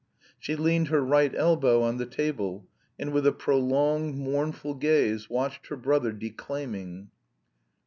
She leaned her right elbow on the table, and with a prolonged, mournful gaze watched her brother declaiming.